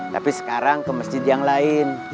tapi sekarang ke masjid yang lain